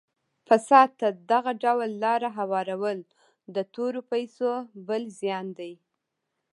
فساد ته دغه ډول لاره هوارول د تورو پیسو بل زیان دی.